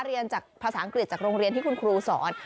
เรียนจากภาษาอังกฤษจากโรงเรียนที่คุณครูสอน